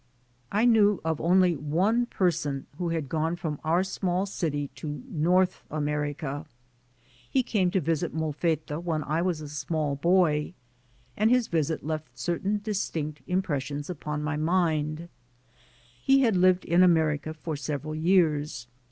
I knew of only one person who had gone from our small city to North America. He came to visit Molfetta when I was a small boy, and his visit left certain distinct impressions upon my mind. He had lived in America for several years.